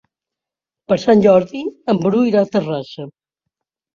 Per Sant Jordi en Bru irà a Terrassa.